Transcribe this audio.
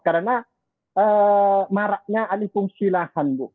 karena maraknya alipungsi lahan bu